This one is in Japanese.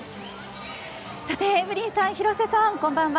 エブリンさん広瀬さん、こんばんは。